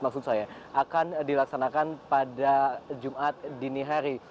maksud saya akan dilaksanakan pada jumat dini hari